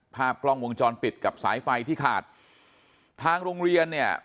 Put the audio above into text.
ภาพกล้องวงจรปิดกับสายไฟที่ขาดทางโรงเรียนเนี่ย